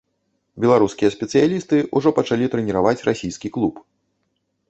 Беларускія спецыялісты ўжо пачалі трэніраваць расійскі клуб.